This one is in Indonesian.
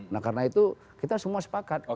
nah karena itu kita semua sepakat